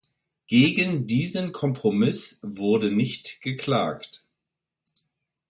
Gegen diesen Kompromiss wurde nicht geklagt.